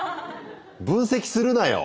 分析するなよ。